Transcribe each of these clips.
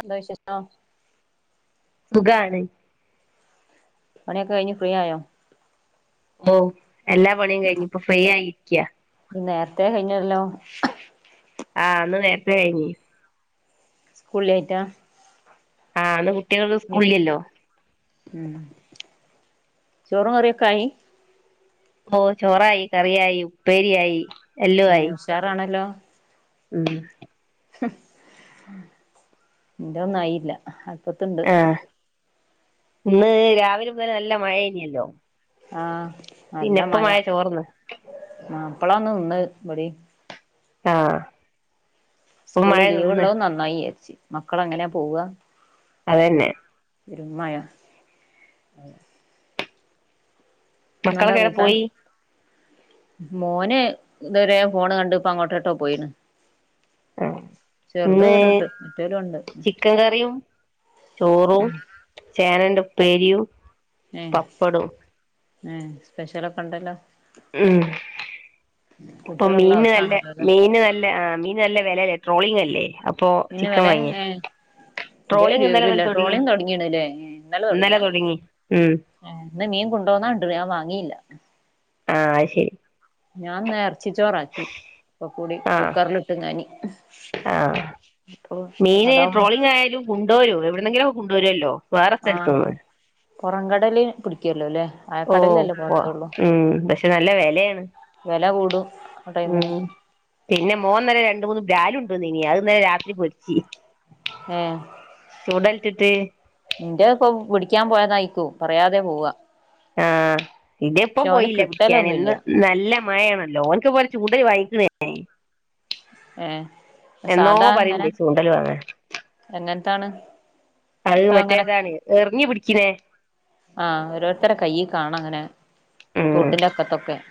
എന്താ വിശേഷം. സുഖാണ്. പണിയൊക്കെ കഴിഞ്ഞ് ഫ്രീ ആയോ. ഓ, എല്ലാ പണിയും കഴിഞ്ഞു. ഇപ്പൊ ഫ്രീ ആയിരിക്ക്യാ. നേരത്തെ കഴിഞ്ഞല്ലോ ആഹ്, ഇന്ന് നേരത്തെ കഴി [unintelligible] സ്കൂളില്ലായിട്ടാ ആഹ ഇന്ന് കുട്ടികൾ സ്കൂളിലല്ലോ [inaudible] ഓ ചോറായി കറിയായി ഉപ്പേരിയായി എല്ലോ ഏ ആയി ഉഷാറാണല്ലോ ഉം എന്റെ ഒന്നുആയില്ല അട്പ്പത്തിണ്ട് ആഹ് ഇന്ന് രാവിലെ മുതല് നല്ല മഴയിനല്ലോ ആഹ നല്ല മഴ ചോർന്ന് പ്പളാന്ന്നിന്നത് പടി ആഹ സ്കൂള് ലീവ് ഉള്ളത് നന്നായി ഏച്ചി മക്കള് എങ്ങനാ നെ പോവുക അതന്നെ ഒരുമഴ ആ [inaudible] ഇന്നെന്താ മക്കളോക്കേടെ കൂട്ടാൻ പോയി മോന് ഇതുവരെ ഫോണ് കണ്ട് ഇപ്പ അങ്ങോട്ട് ഇട്ടോ പോയിണ് ആ ചെറുത് ഇന്ന് ഇവലുണ്ട് മറ്റോലും ഉണ്ട് ചിക്കൻ കറിയും ചോറും ചേനന്റെ ഉപ്പരിയും പപ്പടവും അ സ്പെഷ്യലൊക്കെ ഉണ്ടല്ലോ ഉം ഇപ്പം കുട്ടികളുള്ള മീന് നല്ല ദിവസാണല്ലോല്ലേ മീന് നല്ല ആ മീന് നല്ല വിലയാണ് ട്രോളിംങ് അല്ലേ അപ്പൊ മീൻ ചിക്കൻ വില വാങ്ങിയ ഏ ട്രോളിങ് എ ഇന്നലെ ഒരു മുതൽ തുടങ്ങി ലെട്രോളിയം തുടങ്ങിയണല്ലേ ഇന്നലെ തുടങ്ങിയാ തുടങ്ങി ഉം ഇന്ന് മീൻ കൊണ്ടോന്നാ കണ്ട് ഞാൻ വാങ്ങിയില്ല ആഹ അത് ശരി ഞാൻ ഇറച്ചി ചോറാക്കി ഓകകൂടി ആ കുക്കറിലിട്ട്ങ്ങാനി ആ ഇപ്പൊ മീന് അതാവും ട്രോളിങ് ആയാലും കൊണ്ടരോ എവിടെന്നെങ്കിലും കൊണ്ട് വരുമല്ലോ വേറെ ആഹ് സ്ഥലത്തുന്ന് പുറംകടല് പിടിക്കുവല്ലോ അല്ലേ ഓ ആഴക്കടലിലല്ലേ പോ പോവാത്തൊള്ളു. ഉം പക്ഷെ നല്ല വിലയാണ് വില കൂടു ഉം പിന്നെ മോൻ ഇന്നലെ രണ്ടുമൂന്നു ബ്രാല് കൊണ്ടോന്നീനി അത് ഇന്നലെ രാത്രി പൊരിച്ച് ആ ചുണ്ട ഇട്ടിട്ട് ക്കാൻ പോയതായിക്കും പറയാതെ പോവാ. ആ ഇതിപ്പം പക്ഷെ ഓന് പോയില്ല പിടിക്കാൻ കിട്ടലൊന്നുല്ല ഇന്ന്. നല്ല മഴയാണല്ലോ ഓനക്ക് ഇതുപോലെ ചൂടല് വാങ്ങിക്കണേ ഏ എന്നോ സാധാ അങ്ങനെ പറയണ്ട് ചൂണ്ടല് വാങ്ങാൻ എങ്ങനത്താണ് [unintelligible] അത് ഇപ്പ മറ്റേതാണ് അറിഞ്ഞു പിടിക്കണേ ആ ഓരോരുത്തരടെ കൈ കാണാ ഇങ്ങനെ ഉം തോട്ടിന്റെ അറ്റത്തൊക്ക [inaudible]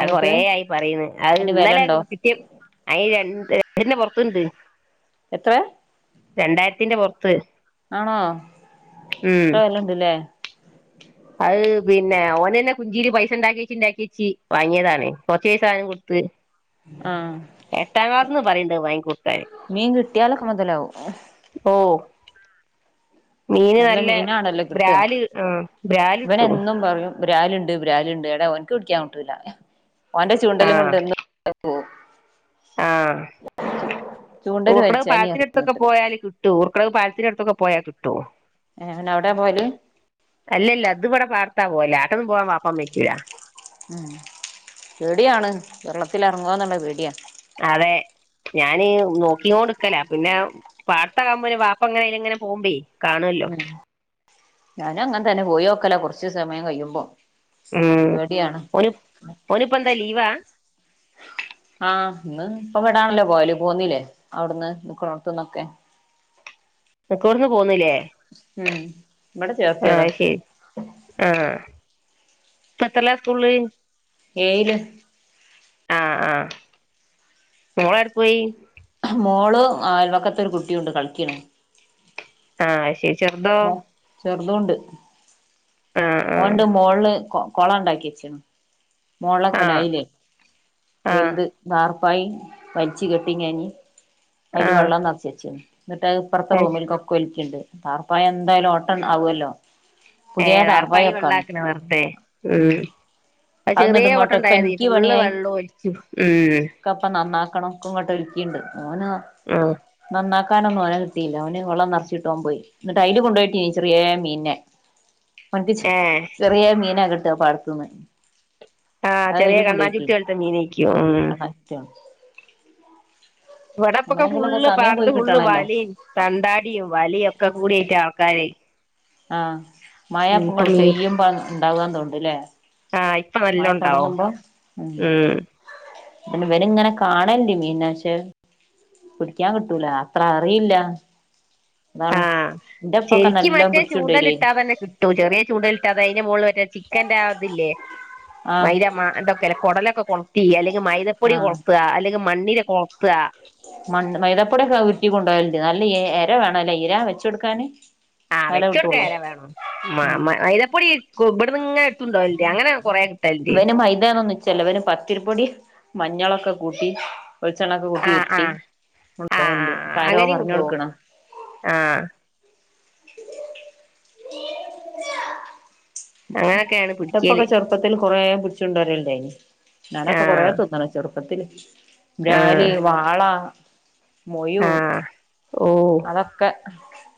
ആ കൊറെ ആയി പറയുന്നു. അത് അതിന് ഇന്നലെ വിലണ്ടോ കിട്ടിയപ്പ് അയ്ന് രണ്ട് ഏഴിന്റെ പുറത്ത് ത്തണ്ട് എത്ര രണ്ടായിരത്തിന്റെ പുറത്ത് ട്രയല്ണ്ട് ലേ അഹ് പിന്നെ ഓന് തന്നെ കുഞ്ചിയില് പൈസ ഉണ്ടാക്കിവച്ച് ഉണ്ടാക്കിവച്ച് വാങ്ങിയതാണ്. കൊറച്ച് പൈസ ഞാനും കൊടുത്ത് ആഹ് എട്ടാം ക്ലാസ്ന്ന് പറയണ്ട് വാങ്ങിക്കൊ മീൻ കിട്ടിയാലൊക്കെ മുതലാവും. ഓ നല്ല മീനാണല്ലോ കിട്ടാ. ബ്രാല് ആ ബ്രാല് കിട്ടും ഇവനെന്നും പറയും ബ്രാലുണ്ട് ബ്രാലുണ്ട് ഏടേ ഓനക്ക് പിടിക്കാൻ കിട്ടൂല ഓന്റെ ചൂണ്ട ആ എല്ലാം കൊണ്ട്ന്ന് പോവും. ആ ചൂണ്ടല് ഊർക്കടവ് വലിച്ചാനി പറയും പാലത്തിനടുത്തൊക്കെ എന്നിട്ട് പോയാല് കിട്ടോ ഊർക്കടവ് പാലത്തിനടുത്ത് ത്തൊക്കെ പോയാ കിട്ടോ ഏ അവനവിടെ പോയ്ല് അല്ലല്ല ഇത് ഇവ്ടെ പാടത്താ പോവല് ആട്ടൊന്നും പോവാൻ വാപ്പാമ്മയ്ക്യൂല. ഉം പേടിയാണ് വെള്ളത്തിലർങ്ങോ ന്ന്ള്ള പേട്യായാ. അതെ ഞാന് നോക്കിയോണ്ട്ക്കാലാ പിന്നെ പാട്ത്താവുമ്പൊര് വാപ്പങ്ങനെ അയ്ലങ്ങനെ പോവുംമ്പേ കാണൊല്ലോ ഉം ഞാനും അങ്ങൻതന്നെ പോയോക്കലാ കൊർച്ച് സമയം കയ്യുമ്പോ ഉം ഓന് ഓനിപ്പെന്താ ലീവാ ആ ഇന്ന് ഇപ്പൊവിടാണലോ പോവ്‌ല് പോന്നില്ലേ അവ്ട്ന്ന് നിക്ക്ണോട്ത്ത്ന്നൊക്കെ. നിക്ക്ണോട്ത്ത്ന്ന് പോന്ന്ല്ലേ ഉം ഇവിടെ ചേർത്തിയതാ അഹ്ശരി ആ ആ ഇപ്പത്രേലാ സ്കൂൾള്ള് ഏയ്ല് ആ ആ മോള് ഏട് പോയി മോള് അയൽവക്കത്തൊരു കുട്ടിയുണ്ട് കളിക്ക്ണ് ആ അഹ്‌ശെരി ചെർതോ ചെർതുണ്ട് ആഹ് ഓണ്ട് മോള്ള് കൊ കൊളം ഇണ്ടാക്കിച്ചേണ്. മോൾളെ ആഹ് കൊലായിലെ വെൽത് ആഹ് വാർ പായ് വൽച്ച് കെട്ടി ഞാൻ അയ്ല് ആഹ് വളളം നെർച്ചച്ചീണ് ന്നിട്ട് അഹ് ഇപ്പർത്തെ അത് ശ റൂമിൽ കൊക്കെ ഒലിക്കിണ്ട് ടാർപ്പായ എന്തായാലും ഓട്ട ആവോല്ലോ. പുതിയതാർ പൈ വെള്ളാക്ക്ണ വെർതെ ഉം അത് അഹ്‌ന്നട്ട് ചെറിയ ഇങ്ങോട്ട്ക്ക് ഓട്ടണ്ടായാതി ഇൻക്കി ഫുള്ള് പണ്യായി വെള്ളം ഒലിച്ചു ഉം ക്കെ ഇപ്പെ നന്നാ ക്കണം ഒക്കെങ്ങട്ട് ഒൽക്കിണ്ട് ഓന് ആഹ് നന്നാ ക്കാനൊന്നും ഓനെ കിട്ടീല്ല ഓന് വള്ളം നെർച്ചിട്ട് ഓൻ പോയി എന്നിട്ട് അയ്ല് കൊണ്ടോയിടീനി ചെറീയേ മീൻനേ [unintelligible] ഏഹ് ചെറിയാ മീനാ കിട്ട പാടത്ത്ന്ന് ആഹ് അ ചെറിയ അയില് കൊണ്ടു പോയി കണ്ണാഞ്ചുട്ടി പോലത്തെ മീനേക്കും ഉം ഇട്ടേ ഇപ്പാടപ്പൊക്കെ ഫുള്ളും പാട്ത്ത് ഫുള്ള് കിട്ടണല്ലോ വലിം തണ്ടാടീം വലിം ഒക്കെ കൂടി ആയിട്ട് ആ. കഴി ആ മഴപ്പട് പെയ്പോ ഇണ്ടാവാന്ന് തോന്ന്ണ്ടല്ലേ? ആഹ് ഇപ്പൊ നല്ല ഉണ്ടാവും മയത്തൊടങ്ങുമ്പോ ഉം. പിന്നെ ഇവര് ഇങ്ങനെ കാണല്ണ്ട് മീനാ പക്ഷെ? പിടിക്യാൻ കിട്ടൂല അത്ര അറിയൂല്ല അതാണ്. എന്റെപ്പൊക്കെ ചെരിക്ക് നല്ലോം മറ്റേ ചൂണ്ടല് പിടിച്ചോണ്ടരേനി ഇട്ടാതന്നെ ക്‌ട്ടും ചെറിയ ചൂണ്ടലിട്ടാതെന്നെ അയ്ന്റെ മോള് മറ്റേ ചിക്കന്റെ അത് ലെ മൈ ആഹ് [unintelligible] ഇന്തൊക്കെല്ലെ കൊടലൊക്കെ കൊൾത്തി എല്ലെങ്കി മൈതപ്പൊടി ആഹ് കൊൾത്ത അല്ലെങ്കി മണ്ണിരകൊൾത്ത. മണ്ണ് മൈതാപ്പൊട്യാക്കെ ഉര്റ്റി കൊണ്ടോല്ണ്ട് നല്ല ഏ ഏ ഏര ഇര വേണല്ലേ വെച്ച് കൊടുക്കാന്. ആ എന്നാലേ വെച്ചൊട്ക്കാൻ കിട്ടുള്ളൂ ഏര വേണം മ ഉം മ മൈദപൊടി കു ഇപ്ടെന്ന്ങ്ങനെ ത്ണ്ടോല്ണ്ട് അങ്ങനെ കൊറേ ഇവന് മൈദേതൊന്നും നിച്ചല്ല ഇവന് പത്തിരിപ്പൊടി മഞ്ഞളൊക്കെ കൂട്ടി വെൾച്ചണ്ണൊക്കെ കൂട്ടി ആഹ് ഉര്ട്ടി ആഹ് കൊടോവൽണ്ട് ആഹ് ക്കാരോ അങ്ങനെയും കൊണ്ടോവും പർഞ്ഞട്ക്ക്ണ. [inaudible] ആഹ് അങ്ങനൊക്കെയാണ് ന്റപ്പൊക്കെ പിടിക്കല് ചെർപ്പത്തിൽ കൊറെ പിട്ച്ചൊടര്ല്ടായ്നി. ഞാനൊക്കെ കൊറെ ആഹ് തിന്ന്ണ് ചെർപ്പത്തില് ആഹ് [unintelligible] വാള മൊഴു ആഹ് ഓ അതൊക്കെ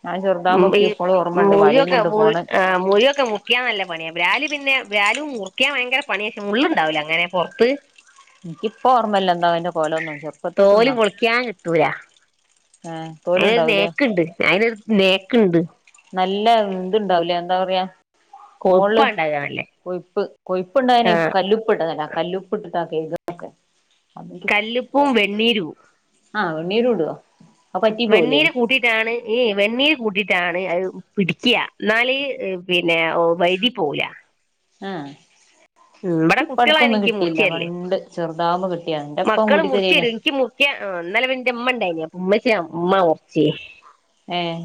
ഞാൻ ഉം ചെറുതാവുമ്പൊക്കെ ഈ ഇപ്പളും ഓർമ്മണ്ട് വലിം മുഴിയൊക്കെ കൊണ്ട് പോണെ ആമുഴിയൊക്കെ മുർക്യാൻ നല്ല പണ്യാ [unintelligible] പിന്നെ വ്യാലും മുർക്യാൻ ഭയങ്കര പണിയക്ഷെ മുള്ള് ഇണ്ടാവല്ല ങ്ങനെ പൊർത്ത്. ഇൻക്കിപ്പോ ഓർമ്മല്ല എന്താ അയ്ന്റെ കോലൊന്നും ചെർപ്പത്ത് തോല് തിന്നാ. ഏഹ് അയ്നൊരു തോലുണ്ടാവൂലേ നേക്ക്ണ്ട് അയ്നൊരു നേക്ക്ണ്ട്. നല്ല ഇത്ണ്ടാവുലേ എന്താ പറയാ. കൊഴുപ്പാ മോളിൽ ഇണ്ടാകാ നല്ലേ കൊയിപ്പ് കൊയിപ്പ്ണ്ടായനെ ആഹ് കല്ലുപ്പിട്ടത് നല്ലതാ കല്ലുപ്പിട്ട്. [unintelligible] കോകെ. കല്ലുപ്പും വെണ്ണീരു. ആ വെണ്ണീര് ഇടോ. വെണ്ണീര് കൂട്ടിയിട്ടാണ് ഈ വെണ്ണീര് കൂട്ട ട്ടാണ് പിടിക്കുക എന്നാല് പിന്നെ വൈതി പോവൂല. ആഹ. ഉം ഇക്ക് ഇവിടെ കുട്ടികളാ ഇിപ്പടത്തൊന്നും എനിക്ക് മുറിച്ച് കിട്ടിയില്ല തരല് പണ്ട് ചെറുതാവുന്പ കിട്ടിയാ ഇന്നെപ്പ കൂടി തരേന. ആ ഇന്നലെ പിന്നെ ഇന്റെ ഇമ്മ ഇൻ ണ്ടായിന് അപ്പ ഇമ്മച്ച ഇമ്മ മുറിച്ച്. ഏഹ്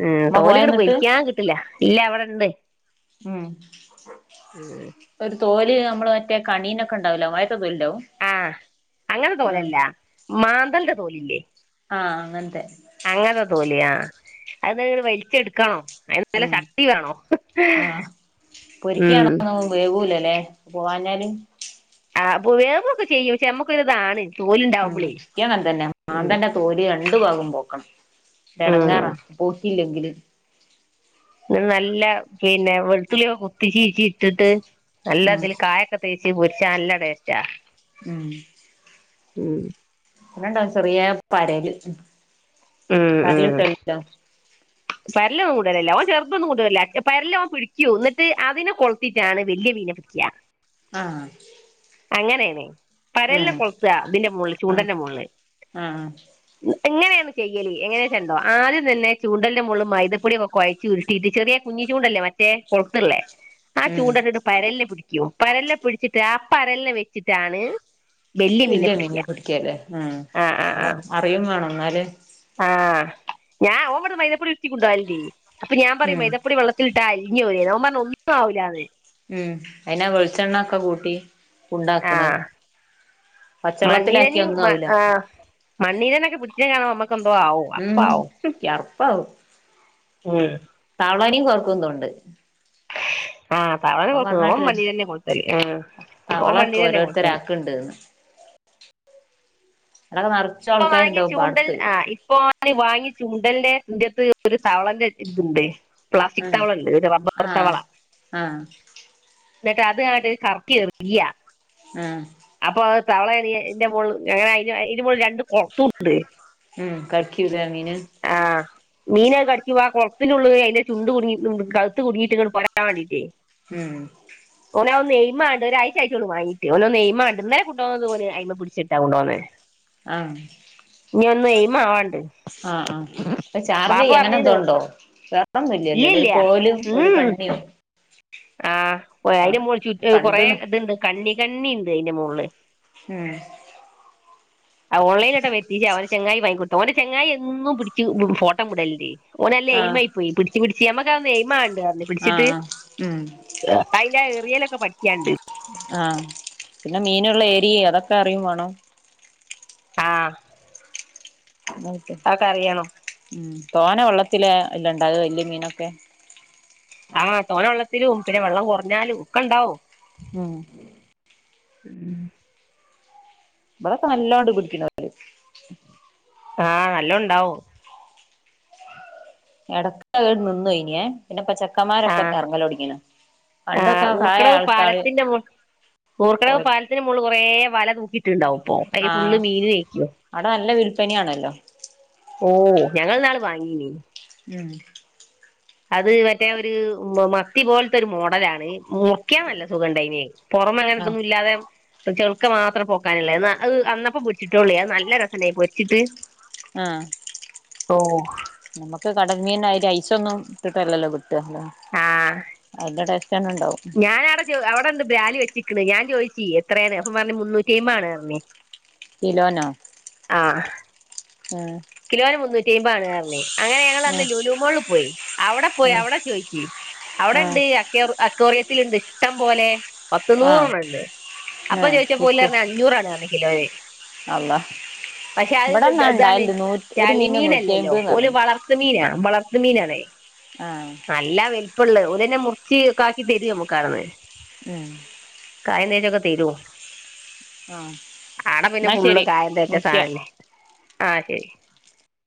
ഉം ഉമ്മ പോയോ തോലിക്കിട്ട് എന്നിട്ട് പൊളിക്കാൻ കിട്ടില്ല ഇല്ല അവിടെ ഇണ്ട്. ഉം ഉം. ഒരു തോല് നമ്മള് മറ്റേ കണീനൊക്കെണ്ടാവലോ വ ആഹ അങ്ങനെ ആഹ് തോലല്ല മാന്തലിന്റെ തോൽയില്ലേ? ആഹ അങ്ങനത്തെ. ല്ല അത് വലിച്ചെടുക്കണം. അതിന്ന് നല്ല ഉം ശക്തി വേണം ആഹ് ഉം. അല്ലെ പോവാഞ്ഞാൽ. ആ അപ്പ വേവ് ഒക്കെ ചെയ്യും പക്ഷെ നമ്മുക്ക് ഒരുഇതാണ്. ഉം യിക്കും അങ്ങനെ തന്നെ മാന്തൽന്റെതോൽ രണ്ടു ഭാഗം പോക്കണം. ഉം ഏടങ്ങാറാ പോങ്കില്ലെങ്കില്. നല്ല പിന്നെ വെളുത്തുള്ളിയൊക്കെ കുത്തി ചീചിച്ചി ഇട്ടിട്ട്. നല്ല ഉം ഇതിൽ കായഒക്കെ തേച്ച് പൊരിച്ചാ നല്ല ടേസ്റ്റാ. ഉം ഉം പിന്നണ്ടാവും ചെറിയ പരല് ഉം പരൽ കിട്ടലുണ്ടോ? പരലൊുകൊട്ടാലില്ല ചെറുതൊന്നും കൊണ്ടാലില്ല പരല് അവൻ പിടിക്കും എന്നിട്ട് അതിനെ കൊളുത്തിട്ടാണ് വലിയ മീ നെപിടിക്ക. ആഹ അങ്ങനെണ് പരലിനെ കൊൾതാ ഇ തിന്റെ മോളില് ആഹ് ചൂണ്ടന്റെ മോളില് ആഹ് ഇങ്ങനെയേണ് ചെയ്യല് എങ്ങനെചെ ണ്ടോ ആദ്യം തന്നെ ചൂണ്ടലിന്റെ മോളിൽ മൈതപ്പൊടിയൊക്കെ കുഴച്ച് ഉരുട്ടിടറ്റ് ചെറിയെ കുഞ് ഇചുണ്ടല്ലേ മറ്റേ കൊളത്ള്ളേ? ആ ഉം ചൂണ്ടട്ട്ട്ട് പരലിനെ പിടിക്കൂ പരലിനെ പിടിചിട്ട് അ പരലിനെ വെച്ചിട്ടാണ് വലിയ വെല്ല്യ പിടിക്കുക മീനെ പിടിക്കല്ലേ മം ആ അ അറിയും വേണം ഇന്നാലെ ആഹ് ഞാൻ ഓവാട്ന്ന് മൈതപ്പൊടി ഉർട്ടി കൊണ്ടവലിണ്ട് അപ്പൊ ഞാൻ പറയും ഉം മൈതപ്പൊടി വെള്ളത്തിലിട്ടാ അളിഞ്ഞ [unintelligible] ഓൻ പറഞ്ഞു ഒട്ടും ആവൂലാന്ന്. മം അയിനാ വെളിച്ചെണ്ണോക്കെ കൂട്ടി ഉണ്ടാക്കണ് ആഹ് പച്ചവെള്ളത്തിലാക്കിയ മണ്ണിരനിം ഒന്നും മ ആവൂല ആ മണ്ണീരനൊക്കെ പിടിച്ച അമ്മക്കെന്തോ ആവോ അപ്പ ഉം ആവും. യർപ്പാവും മം അവളനിം കൊർക്കും തോണ്ട് [inaudible] ആ തവളെന്നെ കോകുല്ല ഓൻ മ ണ്ണീരന്നെ കൊടുത്തല് ആ ഓൻ തവള മ്മണ്ണീരന്നെ കൊടുത്തല് ഓരോരുത്തരാക്ക്ണ്ട്ന്ന് [inaudible] അതൊക്കെ നറച്ചും ഇപ്പൊ വാങ്ങിയ ആൾക്കാരുണ്ടാവും ചൂണ്ടൽ പാടത്ത് ആ ഇപ്പോ [unintelligible] വാങ്ങി ചുണ്ടൽന്റെ ഇന്റെടുത്ത് ഒരു തവളന്റെറെ ഇതുണ്ട് പ്ലാസ്റ്റിക് ഉം തവളണ്ട് [unintelligible] റബ്ബർ ആഹ് തവള ആഹ് ന്നട്ട് അതട് കറക്കി എരിയ്യ മം അപ്പൊ അ തവളയണണെ മോൾ അങ്ങന ഇതിന് മോൾ രണ്ട് കൊള ത്തുണ്ട് മം കടക്കിതാ മീന് മീനൊക്ക കടിക്ക്വാ കുളത്തിലുള്ളത് അതിന്റെ ചുണ്ട് കുട്ങ്ങീട്ടും കവുത് കുട് ങ്ങീട്ടും അഹ് പോരാൻ വേണ്ടിട്ടേ മം ഓനാവൊന്ന് എയ്യ്മട്ടെ ഒഴ്ച ആയട്ടോള്ളൂ വാങ്ങീട്ട് ഓനൊന്ന് എയ് മാവട്ടെ ഇന്നലെ കൊണ്ടോന്നത് പോഓ അ്യ്മ പിടിച്ചിട്ടാ കൊണ്ട പോന്നേ ആ ഇനീയൊന്ന് എയ്മാവാണ്ട് ആഹ് ആ അപ്പൊ ചാർജ് ചെയ്യ് അങ്ങനെ പറഞ്ഞിരുന്നു എന്തോണ്ടോ ഇല്ല വെറൊന്നുല്ലല്ലോ ഒരു ഇല്ല കോലും ഒരു ഉം കണ്ണിയും ആ അയിന്റെ ഒക്കാണ് മോൾ ചുറ്റ് കുറെ കണ്ട്ണ് ഇതുണ്ട് കണ്ണി കണ്ണി ഇ ണ്ട് അയിന്റെ മോളില് ഉം ഓൺലൈനായിട്ട വെർതിയെ അവന്റെ ചെങ്ങായി വാങ്ങി കൊട് ഓന്റെ ചെങ്ങായി എന്നും പിടിച് ഫോട്ടം വിടൽണ്ട് ഓനെല്ല ആഹ് എയിമായി പോയി പിടിച് പിടി [unintelligible] എയിമാവണ്ടേ പിടിച്ചിട്ട് ആഹ് ഉം അയിന്റെ ആ എറിയലൊക്കെ പഠിക്ക്യണ്ട്. ആ പിന്നെ മീനുള്ള ഏരിയ അതൊക്കെ അറിയും വാണം ആ അതൊക്കെ അറിയണം [unintelligible] തോന വെള്ള ത്തില് അല്ലേ ഇണ്ടാവ വല്ല്യ മീനൊക്കെ. ആ തോന വെള്ളത്തിലും പിന്നെ വെള്ളം കുറഞ്ഞാലും ഒക്കെ ഇണ്ടാവും ഹ് മം [inaudible] ഇവടൊക്കെ നല്ലോണ്ട് പിടിക്ക്ണോർ. ആ നലൊണ്ടാവും. എടകഹ് നിന്നോയനെ പിന്നെപ്പോ ആ ചെക്കമ്മാരൊക്കെ ഇറങ്ങല് ഒട്ങ്ങീണ് ആ പണ്ടൊക്കെ പ്രായായ ആൾക്കാർ പൂർക്കടവ് പാലത്തിന് മോള്ളിൽ കുറേ വല തൂക്കിയിട്ട്ണ്ടാവും. ആ അവിടെ നല്ല വിൽപ്പനയാണല്ലോ? ഓ ഞങ്ങൾ ന്നാള് വാങ്ങീനി മം അത് മറ്റേ ഒരു മത്തി പോലത്തൊരു മോഡലാണ്. മുറിക്ക്യൻ നല്ല സുഖണ്ടായിനിം പുറമേ അങ്ങനൊന്നും ആഹ് ഇതൊന്നുല്ലാതെ ചെള്ക്ക മാത് അത്ര പോക്കാനില്ല അത് അന്നപ്പോ പൊരിച്ചിട്ടോള്ളേ അഹ് നല്ല രെ സണ്ടായി പൊരിച്ചിട്ട്. ആ ഓ നമ്മുക്ക് കടങ്ങീന്റെ ഐസ ഒന്നും ഇിട്ടല്ലല്ലോ കുട്ട റ്റല അതടക്കണ ഉണ്ടാവും ഞാൻ അവിടെ അവിടെ ബാലി വെച്ചക്ക ഞാൻ ചോദിച്ചി എത്രയാണ് അപ്പം പറഞ്ഞ മുന്നൂറ്റി അ ആാണ് പറഞ്ഞത് കിലോനോ ആം കിലോന് മുന്നൂറ്റി അമ്പ ആണ് കമ്മേ അങ്ങനെ ഞങ്ങ അന്ന് ഉം ലൂലൂ മോളിൽ പോയി അവിടെ പോയി ഉം അവിടെ ചോയിിച്ചു അവിടെ ഇണ്ട് ആഹ് അ അക്ോറിയത്തി ഉണ്ട് ഇഷ്ടം പോലെ പത്ത ആഹ് നൂറണ്ണ്ട് അപ്പൊ ആഹ് ചോദിച്ചാ വിക്ക് പോലഞ്ഞ അഞ്ഞൂറാണ് പറ കിലോ അള്ളാ പക്ഷെ അത് ഇവിടെന്നാ ഇതാണ് ഇണ്ടായല് നൂറ്റി ഒരു മീനിന് നൂറ്റി ചളിമീനല്ലല്ലോ അയ്മ്പത് ഓല പറഞ്ഞു വളർത്ത മീൻ മീന വളത്ത് മീനാണേ ആഹ് നല്ല വ ഇപ്പള്ളേ ഉലനെ മുറിച്ചിക്ക ആാക്കി തരൂ നമ്മു കാണന്ന് ഉം കഴ തേച്ചൊക്കെ തീരുമോ ആഹ് ആടെ പിന്നെ എന്നാ ഫുള്ള് ശരി കായംന്തച്ച വിളിക്കാം സാനല്ലേ ആഹ ശരി